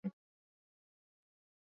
دا ژورنال تاریخي او انتقادي اړخونه څیړي.